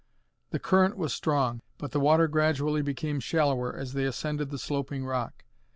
The current was strong, but the water gradually became shallower as they ascended the sloping rock.